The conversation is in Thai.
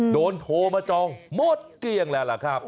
โทรมาจองหมดเกลี้ยงแล้วล่ะครับ